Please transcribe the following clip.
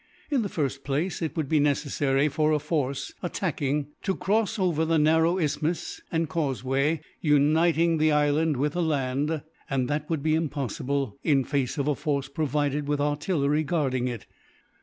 "In the first place, it would be necessary for a force attacking it to cross over the narrow isthmus, and causeway, uniting the island with the land; and that would be impossible, in face of a force provided with artillery guarding it.